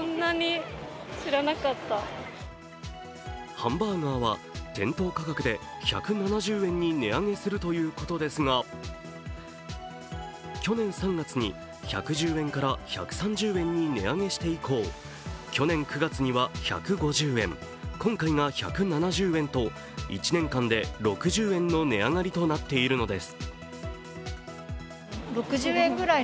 ハンバーガーは店頭価格で１７０円に値上げするということですが、去年３月に１１０円から１３０円に値上げして以降去年９月には１５０円、今回が１７０円と１年間で６０円の値上がりとなっているのです。